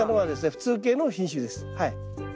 普通系の品種ですはい。